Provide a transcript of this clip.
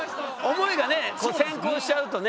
思いがね先行しちゃうとね。